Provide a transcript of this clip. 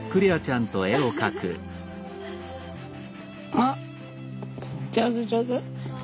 あっ上手上手。